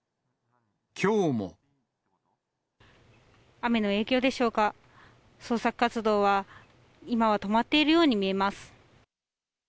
雨の影響でしょうか、捜索活動は、今は止まっているように見えます。